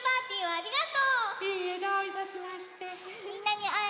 ありがと。